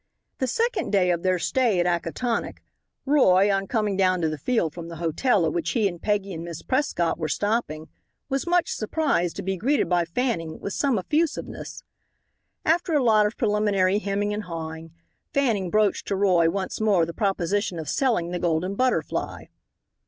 The second day of their stay at Acatonick, Roy, on coming down to the field from the hotel at which he and Peggy and Miss Prescott were stopping, was much surprised to be greeted by Fanning, with some effusiveness. After a lot of preliminary hemming and hawing, Fanning broached to Roy once more the proposition of selling the Golden Butterfly.